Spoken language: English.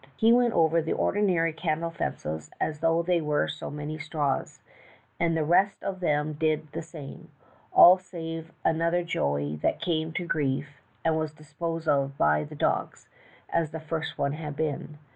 He went over the ordinary cattle fences as though they were so many straws, and the rest of them did the same, all save another joey that came to grief and was disposed of by the dogs as the first one had been.